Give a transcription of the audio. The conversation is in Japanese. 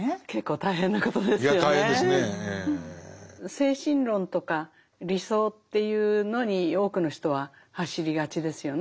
精神論とか理想っていうのに多くの人は走りがちですよね。